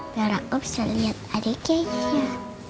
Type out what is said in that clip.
biar aku bisa liat adeknya